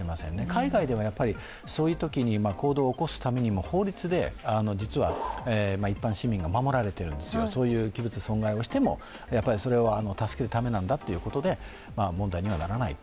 海外ではそういうときに行動を起こすためにも法律で実は一般市民が守られているんですよ、そういう器物損壊をしてもそれは助けるためなんだということで問題にはならない。